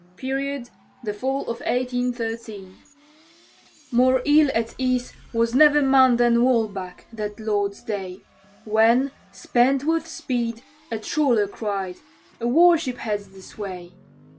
Period, the fall of 1813._ More ill at ease was never man than Walbach, that Lord's day, When, spent with speed, a trawler cried, "A war ship heads this way!"